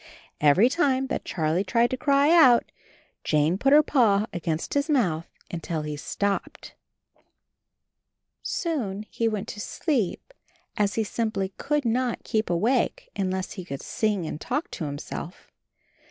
Every time that Charlie tried to cry out. AND HIS KITTEN TOPSY 87 J ane put her paw against his mouth until he stopped. Soon he went to sleep, as he simply could not keep awake unless he could sing and talk to himself.